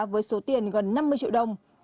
với số tiền gần năm mươi triệu đồng